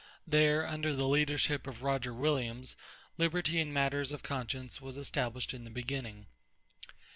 There, under the leadership of Roger Williams, liberty in matters of conscience was established in the beginning.